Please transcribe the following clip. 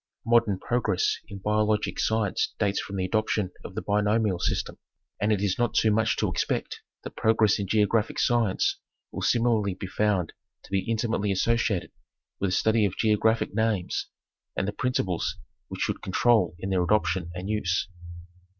Modern progress in biologic science dates from the adoption of the binomial system, and it is not too much to expect that progress in geographic science will similarly be found to be intimately associated with a study of geographic names and the principles which should control in their adoption and use.